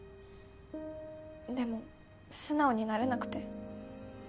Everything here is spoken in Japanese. でも素直になれなくて。